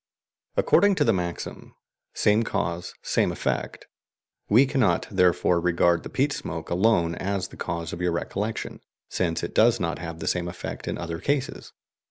According to the maxim "same cause, same effect," we cannot therefore regard the peat smoke alone as the cause of your recollection, since it does not have the same effect in other cases.